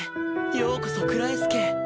ようこそクラエス家へ。